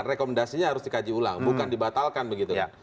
rekomendasinya harus dikaji ulang bukan dibatalkan begitu